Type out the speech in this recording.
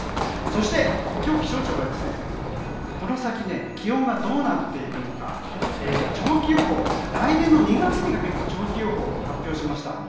そして今日、気象庁が、この先気温がどうなっていくのか来年の２月にかけての長期予報を発表しました。